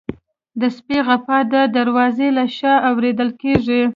د سپي غپا د دروازې له شا اورېدل کېږي.